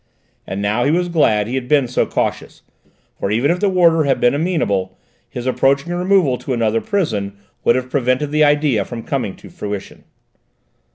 And now he was glad he had been so cautious, for even if the warder had been amenable, his approaching removal to another prison would have prevented the idea from coming to fruition.